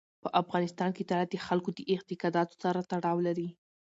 په افغانستان کې طلا د خلکو د اعتقاداتو سره تړاو لري.